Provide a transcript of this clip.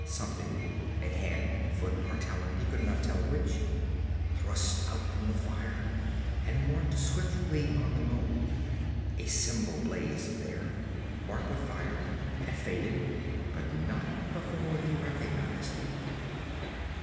Something a hand, foot or talon, he could not tell which, thrust out from the fire and marked swiftly on the mold. A symbol blazed there, marked with fire, and faded, but not before he recognized it.